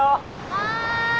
はい。